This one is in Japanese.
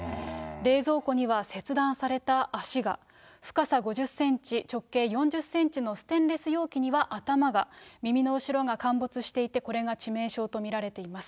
冷蔵庫には切断された脚が、深さ５０センチ直径４０センチのステンレス容器には頭が、耳の後ろが陥没していて、これが致命傷と見られています。